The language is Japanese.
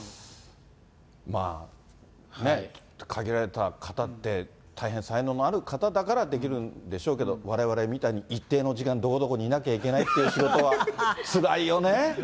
まあね、限られた方って、大変才能のある方だからできるんでしょうけど、われわれみたいに一定の時間、どこどこにいなきゃいけないって仕事は、つらいよね。